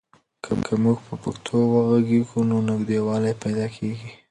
که موږ په پښتو وغږېږو نو نږدېوالی پیدا کېږي.